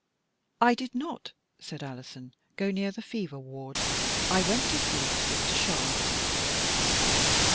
"I did not," said Alison, "go near the fever ward. I went to see — Sister Char lotte."